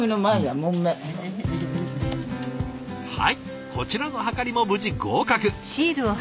はいこちらのはかりも無事合格。